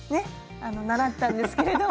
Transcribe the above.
習ったんですけれども。